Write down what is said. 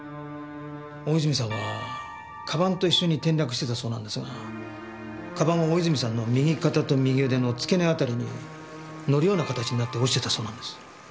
大泉さんは鞄と一緒に転落していたそうなんですが鞄は大泉さんの右肩と右腕の付け根辺りに乗るような形になって落ちていたそうなんです。